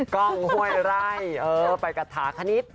กล้องห้วยไร่ไปกระถาคณิต